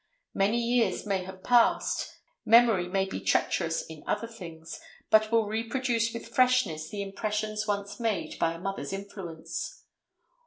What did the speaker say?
Many years may have passed, memory may be treacherous in other things, but will reproduce with freshness the impressions once made by a mother's influence.